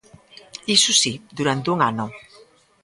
¡Iso si, durante un ano!